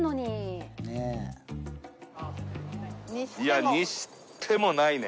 いやにしてもないね。